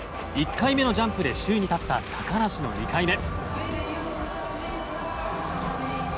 １回目のジャンプで首位に立った高梨の２回目。